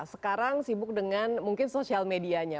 sekarang sibuk dengan mungkin sosial medianya